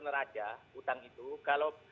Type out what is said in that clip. saja hutang itu kalau